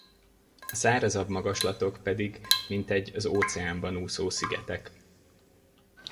A szárazabb magaslatok pedig mintegy az óceánban úszó szigetek.